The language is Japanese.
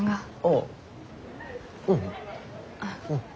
ああうん。